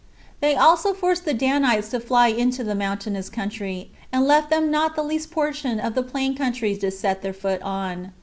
They also forced the Danites to fly into the mountainous country, and left them not the least portion of the plain country to set their foot on.